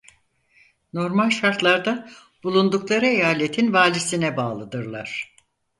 Normal şartlarda bulundukların eyaletin valisine bağlıdırlar.